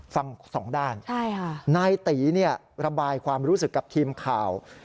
ฟังสองด้านนายตีระบายความรู้สึกกับทีมข่าว